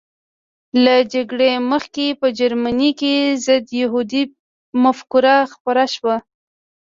له جګړې مخکې په جرمني کې ضد یهودي مفکوره خپره شوه